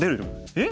えっ？